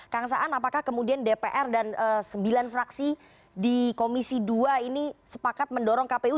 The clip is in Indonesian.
kang saan apakah kemudian dpr dan sembilan fraksi di komisi dua ini sepakat mendorong kpu